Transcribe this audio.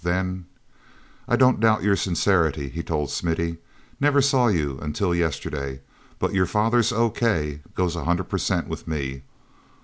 Then: "I don't doubt your sincerity," he told Smithy. "Never saw you till yesterday, but your father's 'O.K.' goes a hundred per cent with me.